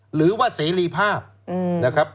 หรือว่าเสรีภาพนะครับ